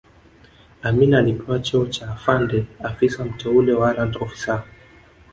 Amin alipewa cheo cha Afande Afisa Mteule warrant officer